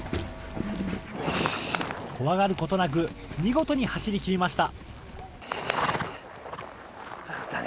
怖がることなく、見事に走りきりました。